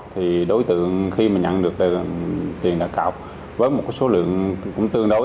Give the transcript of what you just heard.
thì đối tượng khi mà nhận được tiền đặt cọc với một số lượng cũng tương đối